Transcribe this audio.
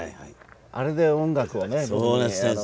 あれで音楽をね。